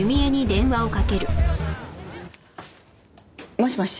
もしもし。